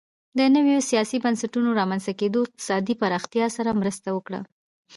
د نویو سیاسي بنسټونو رامنځته کېدو اقتصادي پراختیا سره مرسته وکړه